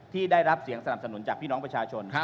ที่ได้รับเสียงสนับสนุนจากพี่น้องประชาชน